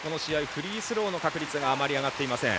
フリースローの確率があまり上がっていません。